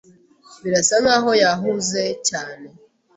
Birasa nkaho yahuze cyane.